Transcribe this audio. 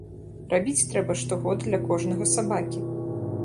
Рабіць трэба штогод для кожнага сабакі.